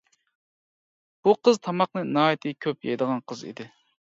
بۇ قىز تاماقنى ناھايىتى كۆپ يەيدىغان قىز ئىدى.